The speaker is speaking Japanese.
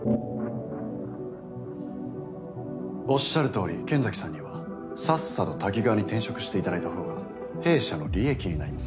おっしゃるとおり剣崎さんにはさっさとタキガワに転職していただいたほうが弊社の利益になります。